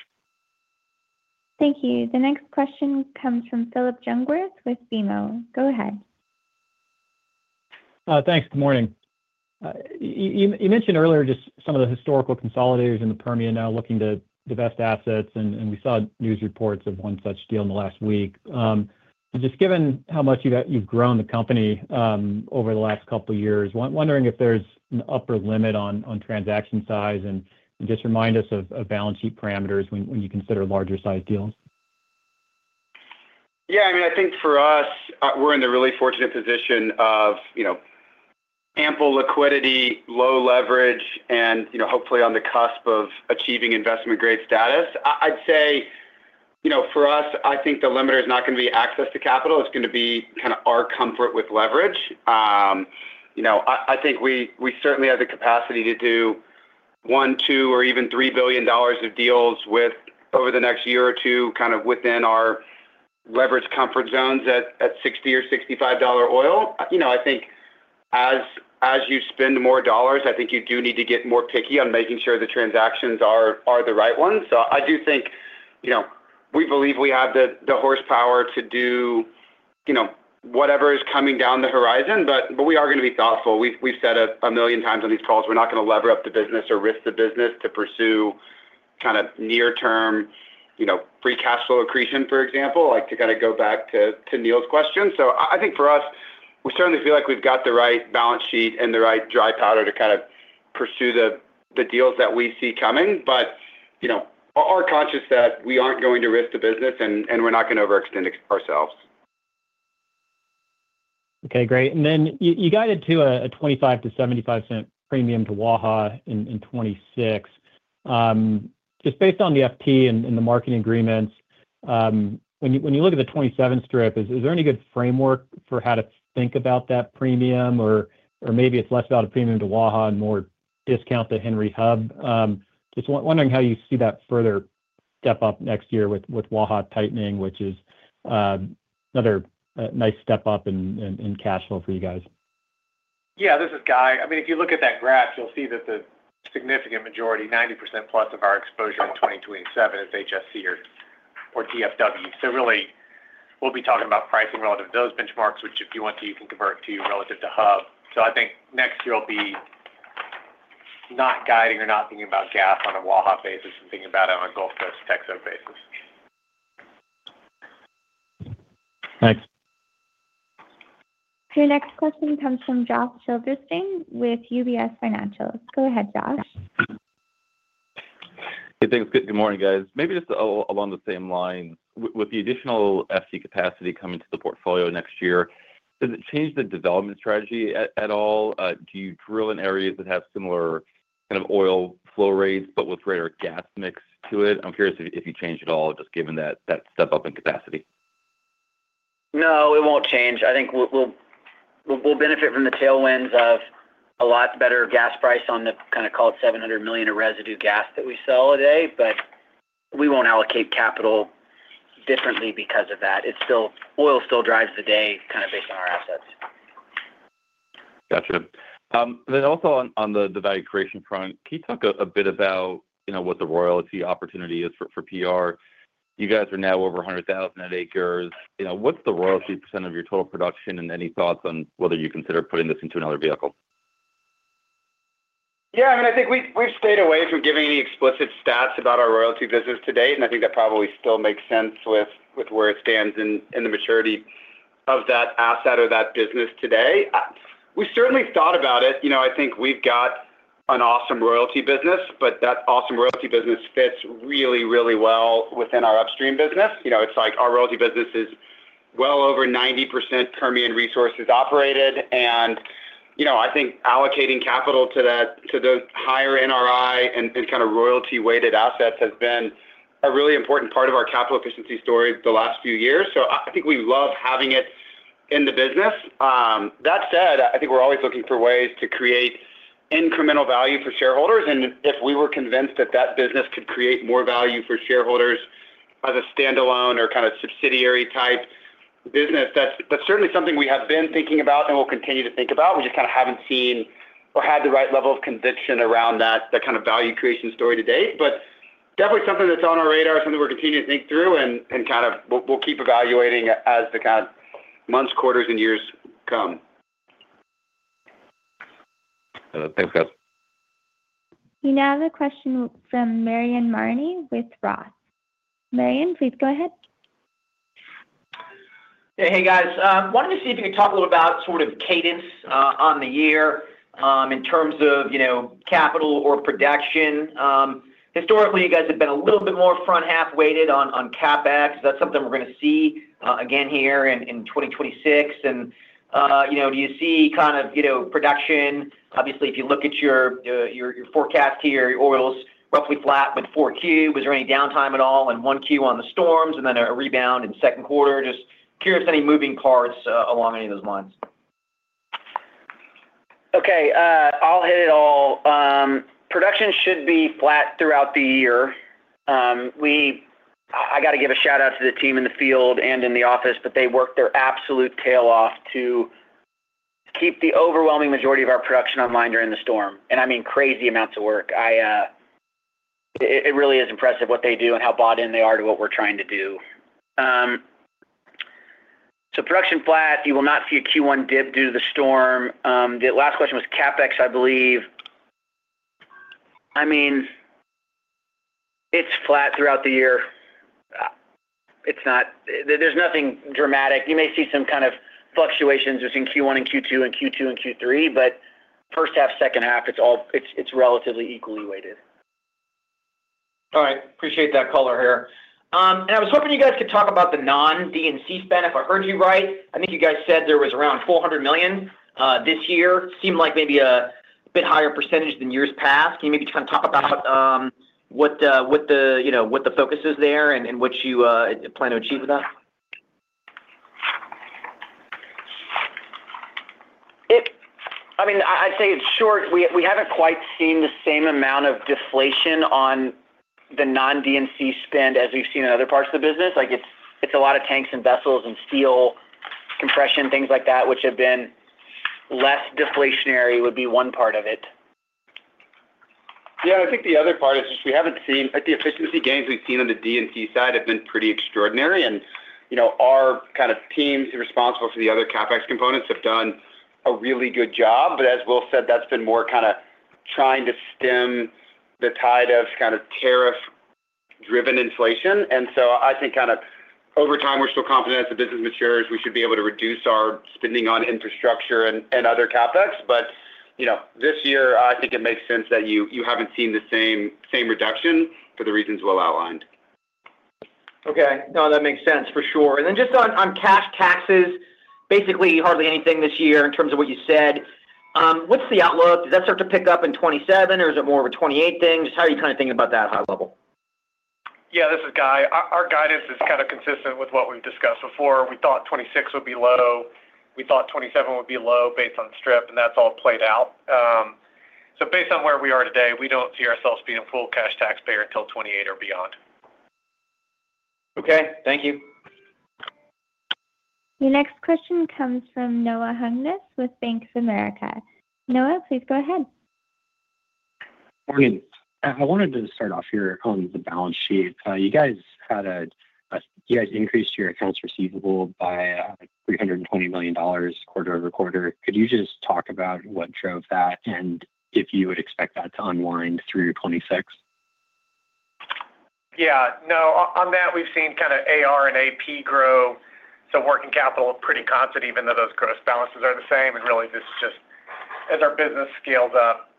Thank you. The next question comes from Phillip Jungwirth with BMO. Go ahead. Thanks. Good morning. You mentioned earlier just some of the historical consolidators in the Permian now looking to divest assets, and we saw news reports of one such deal in the last week. Just given how much you've grown the company over the last couple of years, wondering if there's an upper limit on transaction size, and just remind us of balance sheet parameters when you consider larger-sized deals? Yeah, I mean, I think for us, we're in the really fortunate position of, you know, ample liquidity, low leverage, and, you know, hopefully on the cusp of achieving investment-grade status. I'd say, you know, for us, I think the limiter is not going to be access to capital, it's going to be kind of our comfort with leverage. You know, I think we certainly have the capacity to do 1, 2, or even $3 billion of deals over the next year or two, kind of within our leverage comfort zones at $60 or $65 oil. You know, I think as you spend more dollars, I think you do need to get more picky on making sure the transactions are the right ones. I do think, you know, we believe we have the horsepower to do, you know, whatever is coming down the horizon, but we are going to be thoughtful. We've said it a million times on these calls. We're not going to lever up the business or risk the business to pursue kind of near-term, you know, free cash flow accretion, for example, like, to kind of go back to Neil's question. I think for us, we certainly feel like we've got the right balance sheet and the right dry powder to kind of pursue the deals that we see coming. You know, we are conscious that we aren't going to risk the business, and we're not going to overextend ourselves. Okay, great. You guided to a $0.25-$0.75 premium to Waha in 2026. Just based on the FT and the marketing agreements, when you look at the 2027 strip, is there any good framework for how to think about that premium? Or maybe it's less about a premium to Waha and more discount to Henry Hub. Just wondering how you see that further step up next year with Waha tightening, which is another nice step up in cash flow for you guys. Yeah, this is Guy. I mean, if you look at that graph, you'll see that the significant majority, 90% plus of our exposure in 2027 is HSC or DFW. Really, we'll be talking about pricing relative to those benchmarks, which if you want to, you can convert to relative to Hub. I think next year will be not guiding or not thinking about gas on a Waha basis and thinking about it on a Gulf Coast, TETCO basis. Thanks. Your next question comes from Josh Silverstein with UBS. Go ahead, Josh. Hey, thanks. Good morning, guys. Maybe just along the same line. With the additional FC capacity coming to the portfolio next year, does it change the development strategy at all? Do you drill in areas that have similar kind of oil flow rates, but with greater gas mix to it? I'm curious if you change at all, just given that step up in capacity. No, it won't change. I think we'll benefit from the tailwinds of a lot better gas price on the kind of call it $700 million of residue gas that we sell today, but we won't allocate capital differently because of that. Oil still drives the day, kind of, based on our assets. Got you. Also on the value creation front, can you talk a bit about, you know, what the royalty opportunity is for PR? You guys are now over 100,000 net acres. You know, what's the royalty % of your total production, and any thoughts on whether you consider putting this into another vehicle? Yeah, I mean, I think we've stayed away from giving any explicit stats about our royalty business to date, and I think that probably still makes sense with where it stands in the maturity of that asset or that business today. We certainly thought about it. You know, I think we've got an awesome royalty business, but that awesome royalty business fits really, really well within our upstream business. You know, it's like our royalty business is well over 90% Permian Resources operated. I think allocating capital to those higher NRI and kind of royalty-weighted assets has been a really important part of our capital efficiency story the last few years. I think we love having it in the business. That said, I think we're always looking for ways to create incremental value for shareholders, and if we were convinced that that business could create more value for shareholders as a standalone or kind of subsidiary-type business, that's certainly something we have been thinking about and will continue to think about. We just kind of haven't seen or had the right level of conviction around that kind of value creation story to date. Definitely something that's on our radar, something we're continuing to think through, and kind of we'll keep evaluating as the kind of months, quarters, and years come. Thanks, guys. We now have a question from Leo Mariani with Roth MKM. Leo, please go ahead. Hey, guys, wanted to see if you could talk a little about sort of cadence on the year, in terms of, you know, capital or production. Historically, you guys have been a little bit more front half weighted on CapEx. Is that something we're going to see again here in 2026? Do you see kind of, you know, production? Obviously, if you look at your forecast here, your oil's roughly flat with 4Q. Was there any downtime at all? 1Q on the storms, and then a rebound in second quarter. Just curious, any moving parts along any of those lines? I'll hit it all. Production should be flat throughout the year. I got to give a shout-out to the team in the field and in the office, but they worked their absolute tail off to keep the overwhelming majority of our production online during the storm, and I mean, crazy amounts of work. I, it really is impressive what they do and how bought in they are to what we're trying to do. Production flat, you will not see a Q1 dip due to the storm. The last question was CapEx, I believe. I mean, it's flat throughout the year. It's not... There's nothing dramatic. You may see some kind of fluctuations between Q1 and Q2, and Q2 and Q3, but first half, second half, it's relatively equally weighted. All right. Appreciate that caller here. I was hoping you guys could talk about the non D&C spend. If I heard you right, I think you guys said there was around $400 million this year. Seemed like maybe a bit higher percentage than years past. Can you maybe kind of talk about, what the, you know, what the focus is there and what you plan to achieve with that? I mean, I'd say it's short. We haven't quite seen the same amount of deflation on the non-D&C spend as we've seen in other parts of the business. Like, it's a lot of tanks and vessels and steel compression, things like that, which have been less deflationary, would be one part of it. Yeah, I think the other part is just we haven't seen. Like, the efficiency gains we've seen on the D&C side have been pretty extraordinary, and, you know, our kind of teams responsible for the other CapEx components have done a really good job. As Will said, that's been more kinda trying to stem the tide of kind of tariff-driven inflation. I think kind of over time, we're still confident as the business matures, we should be able to reduce our spending on infrastructure and other CapEx. You know, this year, I think it makes sense that you haven't seen the same reduction for the reasons Will outlined. Okay. No, that makes sense, for sure. Just on cash taxes, basically, hardly anything this year in terms of what you said. What's the outlook? Does that start to pick up in 2027, or is it more of a 2028 thing? Just how are you kind of thinking about that high level? Yeah, this is Guy. Our guidance is kind of consistent with what we've discussed before. We thought 2026 would be low. We thought 2027 would be low based on strip, and that's all played out. Based on where we are today, we don't see ourselves being a full cash taxpayer until 2028 or beyond. Okay, thank you. Your next question comes from Noah Hungness with Bank of America Securities. Noah, please go ahead. Morning. I wanted to start off here on the balance sheet. You guys had a you guys increased your accounts receivable by $320 million quarter-over-quarter. Could you just talk about what drove that, and if you would expect that to unwind through 2026? Yeah. No, on that, we've seen kinda AR and AP grow, so working capital is pretty constant, even though those gross balances are the same. Really, this is just, as our business scales up,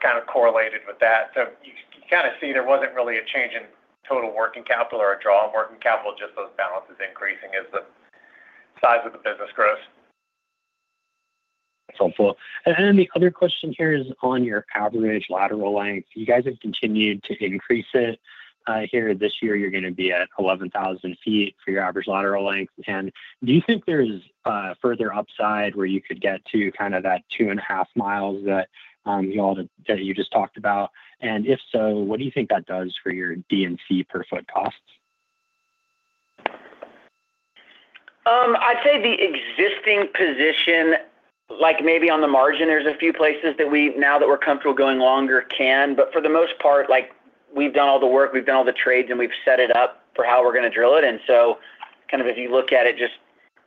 kind of correlated with that. You kinda see there wasn't really a change in total working capital or a draw on working capital, just those balances increasing as the size of the business grows. That's helpful. The other question here is on your average lateral length. You guys have continued to increase it. Here, this year, you're gonna be at 11,000 feet for your average lateral length. Do you think there's further upside where you could get to kind of that 2.5 miles that you just talked about? If so, what do you think that does for your D&C per foot costs? I'd say the existing position, like maybe on the margin, there's a few places that we, now that we're comfortable going longer, can. For the most part, like, we've done all the work, we've done all the trades, and we've set it up for how we're gonna drill it. Kind of if you look at it, just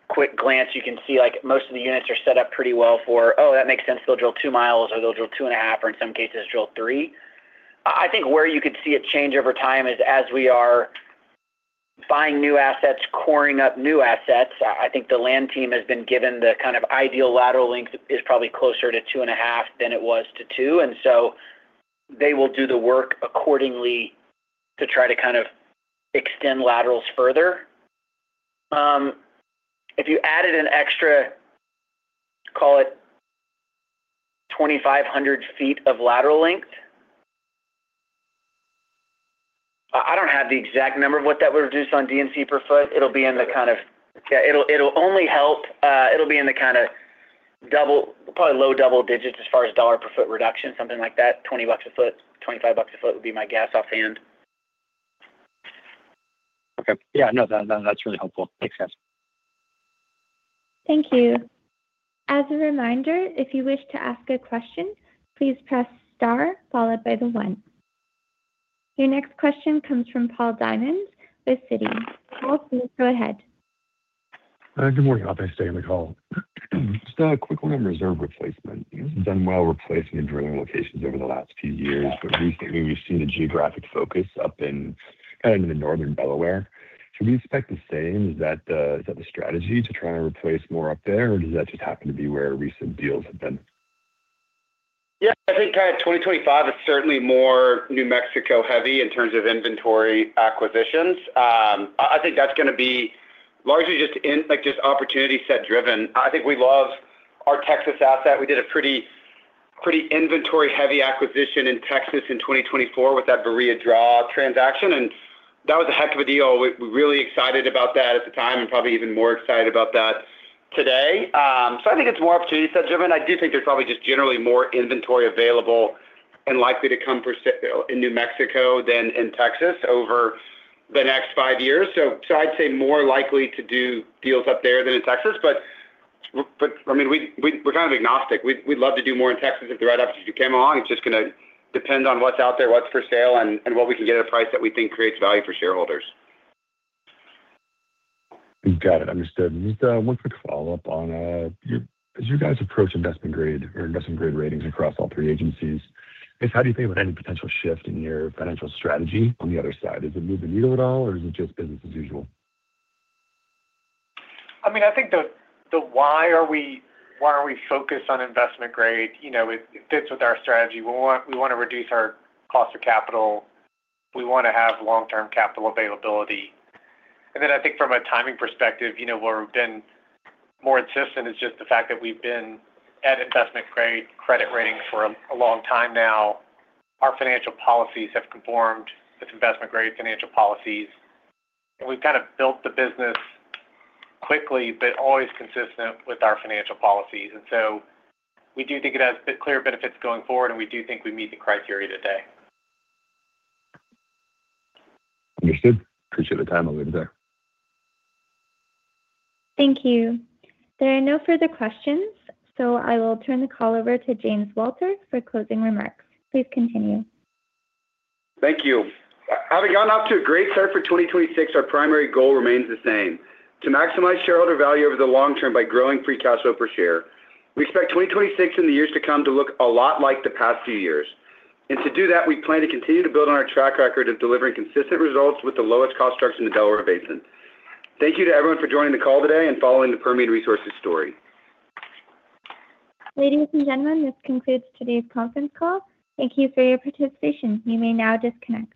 quick glance, you can see, like, most of the units are set up pretty well for, "Oh, that makes sense. They'll drill two miles, or they'll drill two and a half, or in some cases, drill three." I think where you could see a change over time is as we are buying new assets, coring up new assets, I think the land team has been given the kind of ideal lateral length is probably closer to two and a half than it was to two. They will do the work accordingly to try to kind of extend laterals further. If you added an extra, call it 2,500 feet of lateral length. I don't have the exact number of what that would reduce on D&C per foot. Yeah, it'll only help, it'll be in the kind of double, probably low double digits as far as $ per foot reduction, something like that. $20 a foot, $25 a foot would be my guess offhand. Okay. Yeah, no, that's really helpful. Makes sense. Thank you. As a reminder, if you wish to ask a question, please press star followed by the one. Your next question comes from Paul Diamond with Citi. Paul, please go ahead. Good morning. Thanks. Stay on the call. Just a quick one on reserve replacement. You've done well replacing and drilling locations over the last few years. Recently, we've seen a geographic focus up in, kind of in the northern Delaware. Should we expect the same? Is that the strategy to try and replace more up there, or does that just happen to be where recent deals have been? I think kind of 2025 is certainly more New Mexico heavy in terms of inventory acquisitions. I think that's gonna be largely just opportunity set driven. I think we love our Texas asset. We did a pretty inventory-heavy acquisition in Texas in 2024 with that Barilla Draw transaction, that was a heck of a deal. We're really excited about that at the time, probably even more excited about that today. I think it's more opportunity set driven. I do think there's probably just generally more inventory available and likely to come for sale in New Mexico than in Texas over the next five years. I'd say more likely to do deals up there than in Texas, I mean, we're kind of agnostic. We'd love to do more in Texas if the right opportunity came along. It's just gonna depend on what's out there, what's for sale, and what we can get at a price that we think creates value for shareholders. Got it. Understood. Just one quick follow-up on as you guys approach investment grade or investment grade ratings across all three agencies, is how do you think about any potential shift in your financial strategy on the other side? Is it move the needle at all, or is it just business as usual? I mean, I think the why are we focused on investment grade, you know, it fits with our strategy. We wanna reduce our cost of capital, we wanna have long-term capital availability. Then I think from a timing perspective, you know, where we've been more consistent is just the fact that we've been at investment grade credit ratings for a long time now. Our financial policies have conformed with investment-grade financial policies, and we've kind of built the business quickly, but always consistent with our financial policies. So we do think it has clear benefits going forward, and we do think we meet the criteria today. Understood. Appreciate the time. I'll leave it there. Thank you. There are no further questions, so I will turn the call over to James Walter for closing remarks. Please continue. Thank you. Having gotten off to a great start for 2026, our primary goal remains the same: to maximize shareholder value over the long term by growing free cash flow per share. We expect 2026 and the years to come to look a lot like the past few years. To do that, we plan to continue to build on our track record of delivering consistent results with the lowest cost structure in the Delaware Basin. Thank you to everyone for joining the call today and following the Permian Resources story. Ladies and gentlemen, this concludes today's conference call. Thank you for your participation. You may now disconnect.